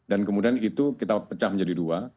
dan kemudian itu kita pecah menjadi dua